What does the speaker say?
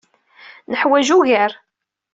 Neḥwaj ugar.